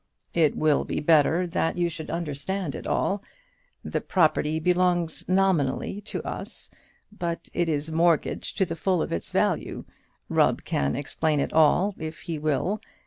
"It will be better that you should understand it all. The property belongs nominally to us, but it is mortgaged to the full of its value. Rubb can explain it all, if he will.